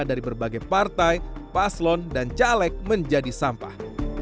dari berbagai partai paslon dan caleg menjadi sampah